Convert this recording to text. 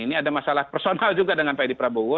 ini ada masalah personal juga dengan pak edi prabowo